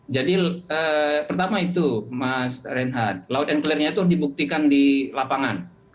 jadi pertama itu mas reinhardt loud and clearnya itu dibuktikan di lapangan